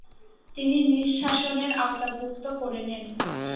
তিনি নিজ শাসনের আওতাভুক্ত করে নেন।